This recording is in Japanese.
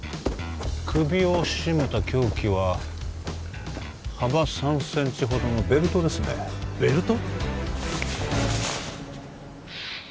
首を絞めた凶器は幅３センチほどのベルトですねベルト？